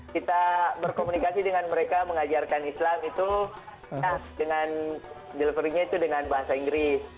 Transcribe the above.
kita berkomunikasi dengan mereka mengajarkan islam itu dengan delivery nya itu dengan bahasa inggris